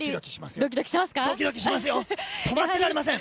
ドキドキしますね。